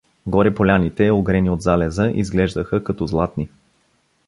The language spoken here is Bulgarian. Горе поляните, огрени от залеза, изглеждаха като златни.